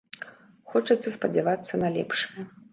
Хочацца спадзявацца на лепшае.